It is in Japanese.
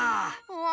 わ。